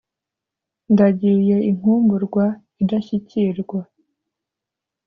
Ndagiye inkumburwa idashyikirwa